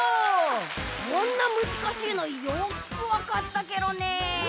こんなむずかしいのよくわかったケロね。